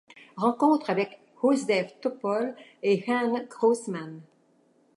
Rencontre avec Josef Topol et Jan Grossman.